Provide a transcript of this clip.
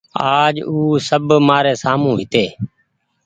آج او سب مآري سآمون هيتي